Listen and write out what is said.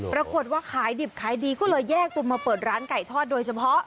ปรากฏว่าขายดิบขายดีก็เลยแยกตัวมาเปิดร้านไก่ทอดโดยเฉพาะ